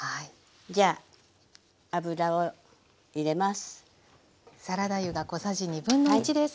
じゃあ油を入れます。